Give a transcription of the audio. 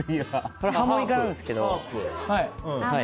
これ、ハーモニカなんですけど。